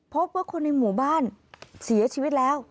พบว่าคนในหมู่บ้านเสียชีวิตแล้ว